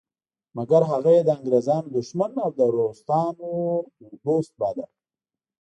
مګر هغه یې د انګریزانو دښمن او د روسانو دوست باله.